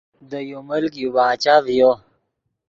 دے یو ملک یو باچہ ڤیو